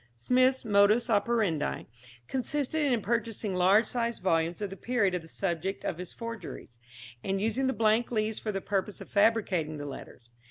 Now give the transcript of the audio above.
Smith's modus operandi consisted in purchasing large sized volumes of the period of the subjects of his forgeries, and using the blank leaves for the purpose of fabricating the letters.